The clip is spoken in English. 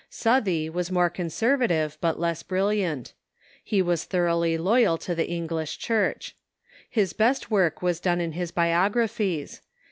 Southey was more conservative, but less brilliant. He was thoroughly loyal to the English Church. His best Avork was done in his biographies.